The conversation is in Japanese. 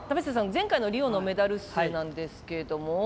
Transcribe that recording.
前回のリオのメダル数なんですけれども？